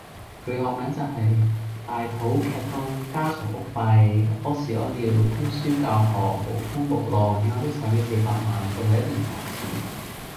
佢嘅學名就是：大肚劇痛家吵屋閉拉屎拉尿供書教學無風無浪起碼都洗你四百萬，仲喺一定唔還錢